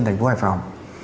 thành phố hải phòng